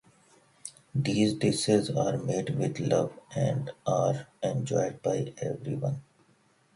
These dishes are made with love and are enjoyed by everyone.